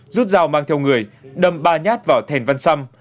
rút dao mang theo người đâm ba nhát vào thèn văn xăm